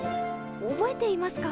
覚えていますか？